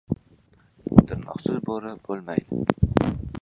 • Tirnoqsiz bo‘ri bo‘lmaydi.